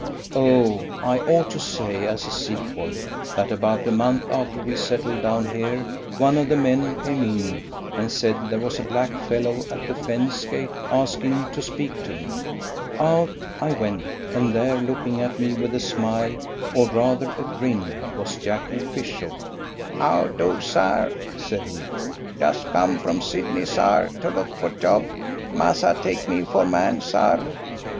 Oh, I ought to say as a sequel that about a month after we settled down here one of the men came in and said there was a black fellow at the fence gate asking to speak to me. Out I went, and there, looking at me with a smile or rather a grin, was Jacky Fishook. "How do, sar?" said he. "Just come from Sydney, sar, to look for job. Massa take me for man, sar?